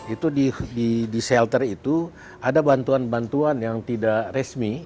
itu di shelter itu ada bantuan bantuan yang tidak resmi